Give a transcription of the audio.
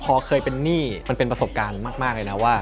พอเคยเป็นหนี้มันเป็นประสบการณ์มากเลยนะว่า